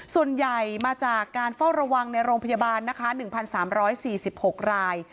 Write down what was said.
ส่วนใหญ่มาจากการเฝ้าระวังในโรงพยาบาลนะคะ๑๓๔๖ราย